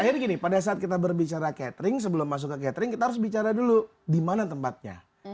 akhirnya gini pada saat kita berbicara catering sebelum masuk ke catering kita harus bicara dulu di mana tempatnya